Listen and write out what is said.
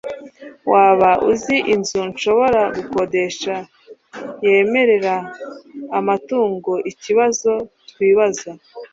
Waba uzi inzu nshobora gukodesha yemerera amatungoikibazo twibaza